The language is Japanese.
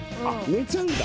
寝ちゃうんだ。